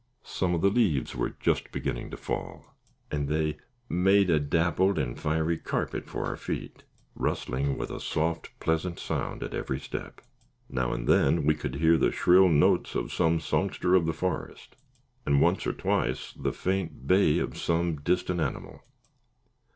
Some of the leaves were just beginning to fall, and they made a dappled and fiery carpet for our feet, rustling with a soft, pleasant sound at every step. Now and then we could hear the shrill notes of some songster of the forest, and once or twice the faint bay of some distant animal.